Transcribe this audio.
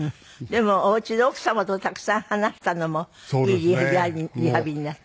でもお家で奥様とたくさん話したのもいいリハビリになって。